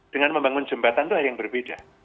dengan membangun jembatan itu hal yang berbeda